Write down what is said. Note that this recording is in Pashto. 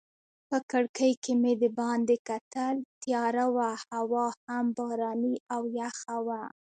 په کړکۍ کې مې دباندې کتل، تیاره وه هوا هم باراني او یخه وه.